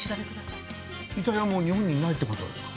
遺体はもう日本にないってことですか。